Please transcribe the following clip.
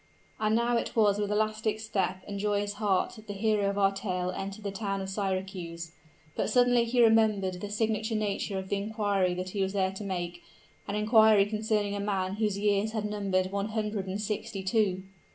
And now it was with elastic step and joyous heart that the hero of our tale entered the town of Syracuse. But suddenly he remembered the singular nature of the inquiry that he was there to make an inquiry concerning a man whose years had numbered one hundred and sixty two!